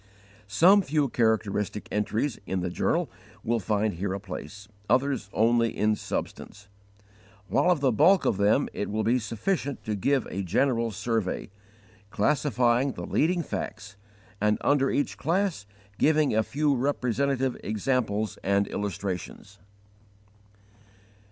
Some few characteristic entries in the journal will find here a place; others, only in substance; while of the bulk of them it will be sufficient to give a general survey, classifying the leading facts, and under each class giving a few representative examples and illustrations.